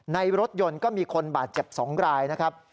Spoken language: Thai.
ในรถยนต์ก็มีคนบาดเจ็บ๒รายนะครับ